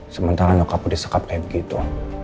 sementara nyokap lo disekap kayak begitu